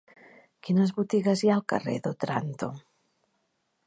Quines botigues hi ha al carrer d'Òtranto?